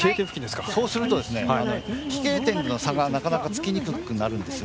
そうすると飛型点での差がなかなか、つきにくくなるんです。